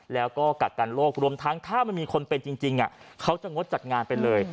แล้วก็กักกันโรครวมทั้งถ้ามันมีคนเป็นจริงเขาจะงดจัดงานไปเลย